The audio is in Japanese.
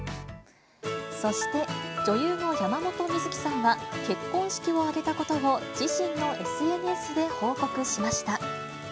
そして、女優の山本美月さんは、結婚式を挙げたことを自身のＳＮＳで報告しました。